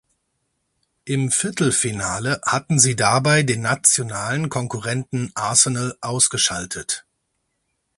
Im Viertelfinale hatten sie dabei den nationalen Konkurrenten Arsenal ausgeschaltet.